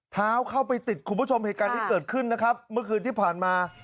เท้าเข้าไปติดคุณผู้ชมเหตุการณ์ที่เกิดขึ้นนะครับเมื่อคืนที่ผ่านมา